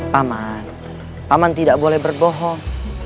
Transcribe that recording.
paman paman tidak boleh berbohong